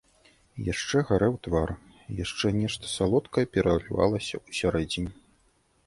Яшчэ гарэў твар, яшчэ нешта салодкае пералівалася ўсярэдзіне.